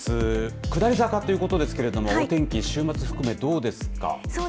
下り坂ということですがお天気、週末含めどうですか。